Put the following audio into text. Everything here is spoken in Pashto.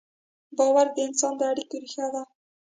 باور د انسان د اړیکو ریښه ده.